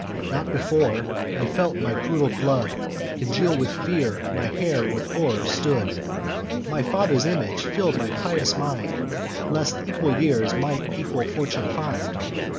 "Then, not before, I felt my curdled blood Congeal with fear, my hair with horror stood: My father's image fill'd my pious mind, Lest equal years might equal fortune find.